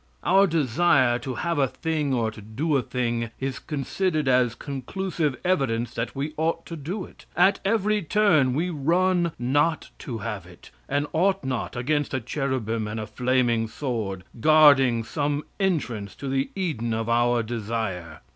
Our desire to have a thing or to do a thing is considered as conclusive evidence that we ought to do it. At every turn we run not to have it, and ought not against a cherubim and a flaming sword, guarding some entrance to the Eden of our desire.